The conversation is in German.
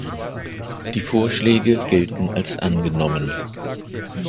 Die Vorschläge gelten als angenommen.